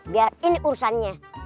biar ini urusannya pak man oke